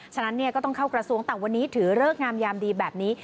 ฉะนั้นก็ต้องเข้ากระทรวงแต่วันนี้ถือเลิกงามยามดีแบบนี้